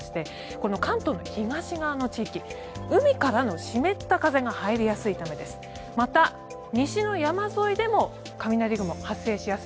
この関東の東側の地域海からの湿った風が入りやすいためです。